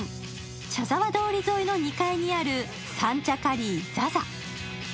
茶沢通り沿いの２階にある三茶カリーＺＡＺＡ。